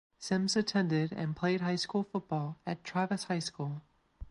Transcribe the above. Sims attended and played high school football at Travis High School.